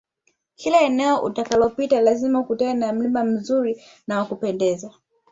Kila eneo utakalopita lazima ukutane na mlima mzuri na wa kupendeza